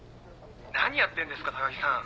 ☎何やってんですか高木さん。